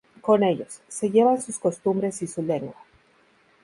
Con ellos, se llevan sus costumbres y su lengua.